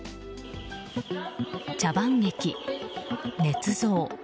茶番劇、ねつ造。